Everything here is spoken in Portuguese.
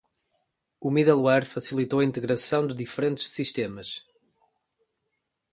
O middleware facilitou a integração de diferentes sistemas.